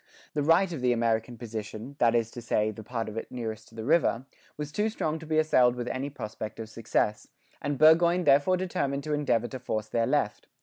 The right of the American position, that is to say, the part of it nearest to the river, was too strong to be assailed with any prospect of success: and Burgoyne therefore determined to endeavour to force their left.